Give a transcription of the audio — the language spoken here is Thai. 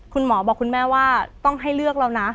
คุณหมอบอกคุณแม่ว่าต้องให้เลือกเรานะ